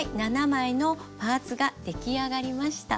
７枚のパーツが出来上がりました。